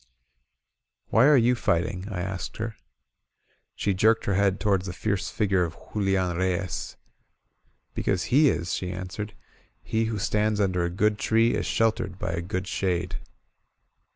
"Why are you fighting?" I asked her. She jerked her head toward the fierce figure of Ju lian Reyes. "Because he is," she answered. "He who stands under a good tree is sheltered by a good shade."